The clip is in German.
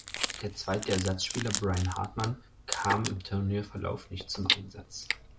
Der zweite Ersatzspieler Brian Hartman kam im Turnierverlauf nicht zum Einsatz.